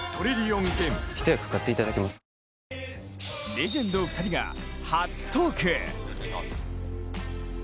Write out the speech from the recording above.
レジェンド２人が初トーク。